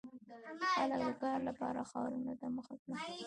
• خلک د کار لپاره ښارونو ته مخه کړه.